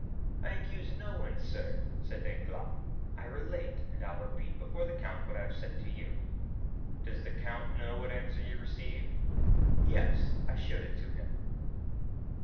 "I accuse no one, sir," said Danglars; "I relate, and I will repeat before the count what I have said to you." "Does the count know what answer you received?" "Yes; I showed it to him."